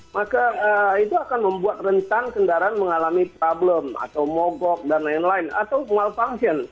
maka itu akan membuat rentan kendaraan mengalami problem atau mogok dan lain lain atau malfunction